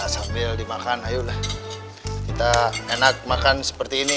sambil dimakan ayolah kita enak makan seperti ini